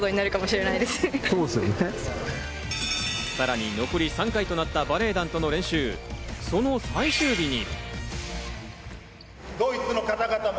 さらに残り３回となったバレエ団との練習、その最終日に。